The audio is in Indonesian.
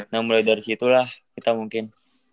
nah mulai dari situlah kita mungkin